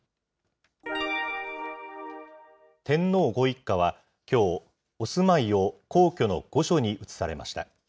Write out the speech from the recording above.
天皇ご一家はきょう、お住まいを皇居の御所に移されました。